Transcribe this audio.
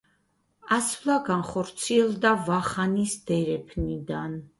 ასვლა განხორციელდა ვახანის დერეფნიდან.